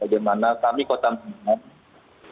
bagaimana kami kota menengah